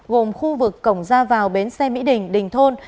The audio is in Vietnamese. gồm khu vực cổng ra vào bến xe mỹ đình đình thôn